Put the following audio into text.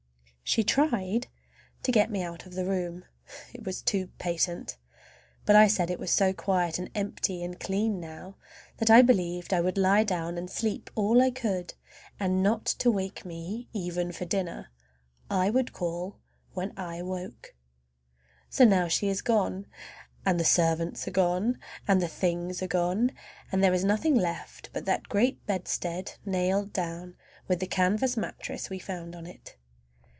She tried to get me out of the room—it was too patent! But I said it was so quiet and empty and clean now that I believed I would lie down again and sleep all I could; and not to wake me even for dinner—I would call when I woke. So now she is gone, and the servants are gone, and the things are gone, and there is nothing left but that great bedstead nailed down, with the canvas mattress we found on it.